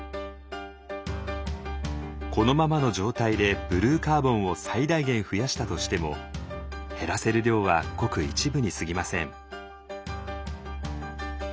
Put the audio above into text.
このままの状態でブルーカーボンを最大限増やしたとしても減らせる量はごく一部にすぎません。